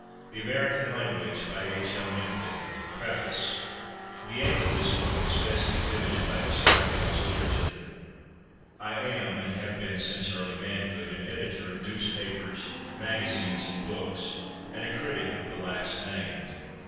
PRINTED IN THE UNITED STATES OF AMERICA PREFACE The aim of this book is best exhibited by describing its origin. I am, and have been since early manhood, an editor of newspapers, magazines and books, and a critic of the last named.